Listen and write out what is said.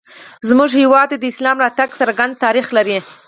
زموږ هېواد ته د اسلام راتګ څرګند تاریخ لري